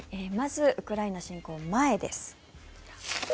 まずウクライナ侵攻前です。